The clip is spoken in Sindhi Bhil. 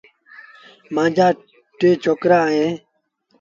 مآݩجآ ٽي ڇوڪرآ اوهيݩ ۔